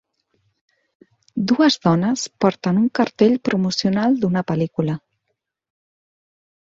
Dues dones porten un cartell promocional d'una pel·lícula.